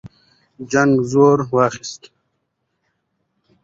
جنګ زور واخیست.